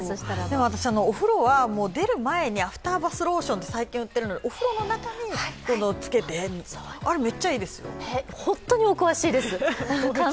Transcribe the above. でも私、お風呂は出る前にアフターバスローションって最近売ってるものお風呂の中でつけてあれ、めっちゃいいですよ。